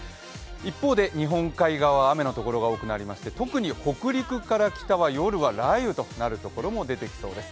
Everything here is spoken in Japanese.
一方で日本海側は雨のところが多く特に北陸から北は夜は雷雨となるところも出てきそうです。